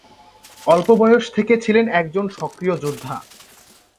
অল্প বয়স থেকে ছিলেন একজন সক্রিয় যোদ্ধা।